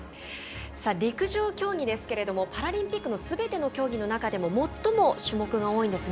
陸上競技ですがパラリンピックのすべての競技の中でも最も種目が多いんですね。